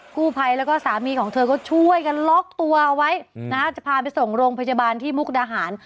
กู้ภัยแล้วก็สามีของเธอก็ช่วยกันล็อกตัวเอาไว้นะฮะจะพาไปส่งโรงพยาบาลที่มุกดาหาร